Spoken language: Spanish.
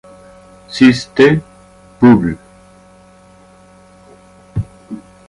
Syst., Publ.